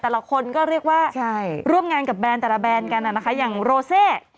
แต่ละคนก็เรียกว่าร่วมงานกับแบรนด์แต่ละแบรนด์กันนะคะอย่างโรเซ